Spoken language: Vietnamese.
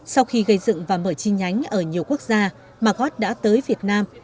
sau khi gây dựng và mở chi nhánh ở nhiều quốc gia margot đã tới việt nam